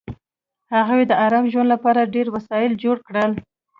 هغوی د ارام ژوند لپاره ډېر وسایل جوړ کړل